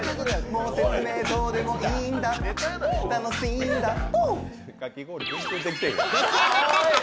もう説明どうでもいいんだたのすぃーんだっ。